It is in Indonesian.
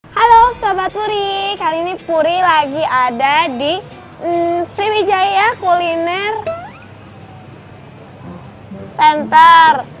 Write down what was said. halo sobat puri kali ini puri lagi ada di sriwijaya kuliner center